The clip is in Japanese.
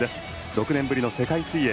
６年ぶりの世界水泳。